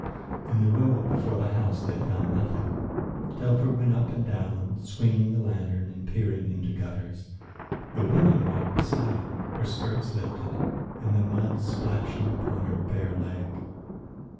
In the road before the house they found nothing. Telfer went up and down swinging the lantern and peering into gutters. The woman walked beside him, her skirts lifted and the mud splashing upon her bare leg.